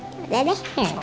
ya udah deh